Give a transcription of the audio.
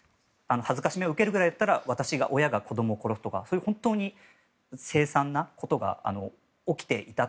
辱めを受けるぐらいだったら私が、親が子供を殺すとか本当に凄惨なことが起きていた。